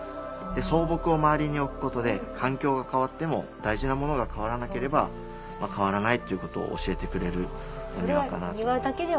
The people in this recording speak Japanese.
草木を周りに置くことで環境が変わっても大事なものが変わらなければ変わらないということを教えてくれるお庭かなと思います。